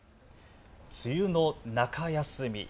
梅雨の中休み。